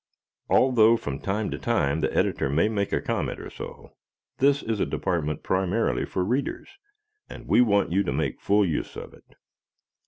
Although from time to time the Editor may make a comment or so, this is a department primarily for Readers, and we want you to make full use of it.